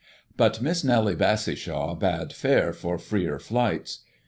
But Miss Nellie Bassishaw bade fair for freer flights.